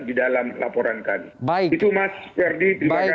di dalam laporan kami